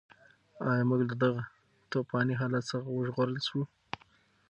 ایا موږ له دغه توپاني حالت څخه وژغورل شوو؟